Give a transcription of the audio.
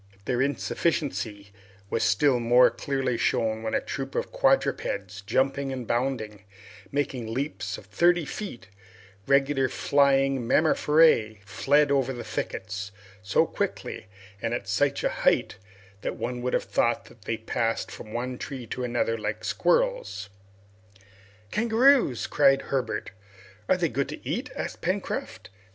Their insufficiency was still more clearly shown when a troop of quadrupeds, jumping, bounding, making leaps of thirty feet, regular flying mammiferae, fled over the thickets, so quickly and at such a height, that one would have thought that they passed from one tree to another like squirrels. "Kangaroos!" cried Herbert. "Are they good to eat?" asked Pencroft.